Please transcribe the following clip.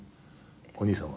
お兄さんは。